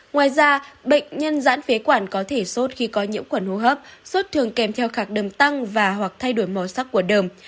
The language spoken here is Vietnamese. ngoài ra bệnh nhân giãn phế quản có thể sốt khi có nhiễm khuẩn hô hấp sốt thường kèm theo khạc đờm tăng và hoặc thay đổi màu sắc của đờm